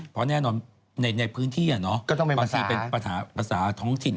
เพราะแน่นอนในพื้นที่มีภาษาท้องถิ่น